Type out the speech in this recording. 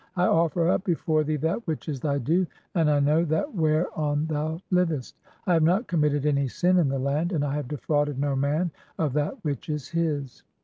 (40) I offer "up before thee that which is thy due, and I know that whereon "thou livest. I have not committed any sin in the land, and "I have defrauded no man of (41) that which is his.